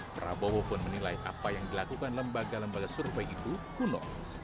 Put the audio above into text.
prabowo pun menilai apa yang dilakukan lembaga lembaga survei itu kuno